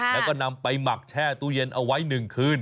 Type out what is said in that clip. แล้วก็มักแช่ตู้เย็นเอาไว้๑คืน